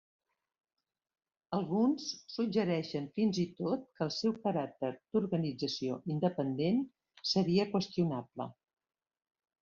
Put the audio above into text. Alguns suggereixen fins i tot que el seu caràcter d'organització independent seria qüestionable.